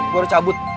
gue udah cabut